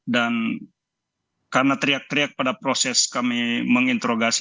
dan karena teriak teriak pada proses kami menginterogasi